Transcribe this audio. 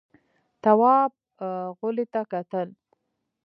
تواب غولي ته کتل….